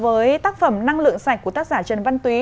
với tác phẩm năng lượng sạch của tác giả trần văn túy